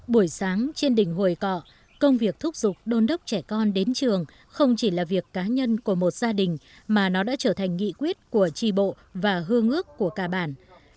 buổi sáng trên đỉnh hồi cọ công việc thúc giục đôn đốc trẻ con đến trường không chỉ là việc cá nhân của một gia đình mà nó đã trở thành nghị quyết của tri bộ và hương ước của cả bản